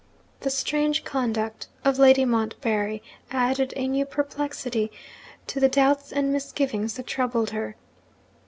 The strange conduct of Lady Montbarry added a new perplexity to the doubts and misgivings that troubled her.